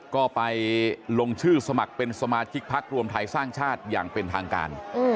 ก็ไปลงชื่อสมัครเป็นสมาชิกพักรวมไทยสร้างชาติอย่างเป็นทางการ